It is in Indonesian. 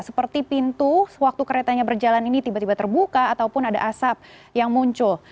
seperti pintu waktu keretanya berjalan ini tiba tiba terbuka ataupun ada asap yang muncul